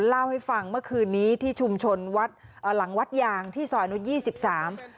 เล่าให้ฟังเมื่อคืนนี้ที่ชุมชนหลังวัดยางที่สอยนุษย์๒๓